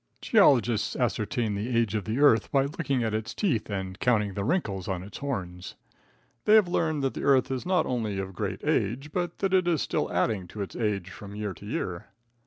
Geologists ascertain the age of the earth by looking at its teeth and counting the wrinkles on its horns. They have learned that the earth is not only of great age, but that it is still adding to its age from year to year.